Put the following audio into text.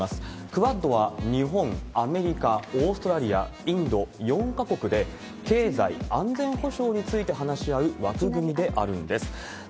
クアッドは、日本、アメリカ、オーストラリア、インド、４か国で経済、安全保障について話し合う枠組みであるんです。